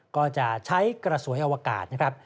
ก็จะใช้กระสวยอวกาศนะครับ